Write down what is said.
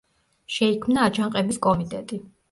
შეიქმნა აჯანყების კომიტეტი.